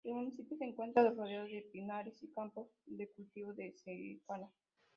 El municipio se encuentra rodeado de pinares y campos de cultivo de secano.